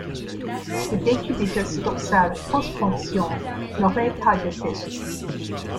Le décubitus dorsal post-ponction n'aurait pas d'effet.